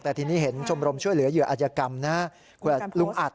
แต่ทีนี้เห็นชมรมช่วยเหลือเหยื่ออาจยกรรมนะลุงอัด